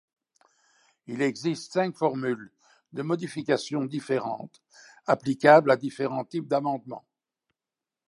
Il existe cinq formules de modification différentes, applicables à différents types d'amendements.